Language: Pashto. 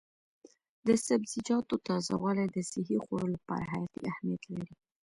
د سبزیجاتو تازه والي د صحي خوړو لپاره حیاتي اهمیت لري.